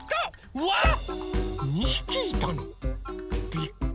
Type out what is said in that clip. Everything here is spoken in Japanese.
うわっ！